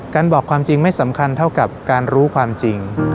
บอกความจริงไม่สำคัญเท่ากับการรู้ความจริง